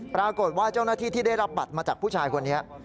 ปรากฏว่าเจ้าหน้าที่ที่ได้รับบัตรมาจากผู้ชายคนนี้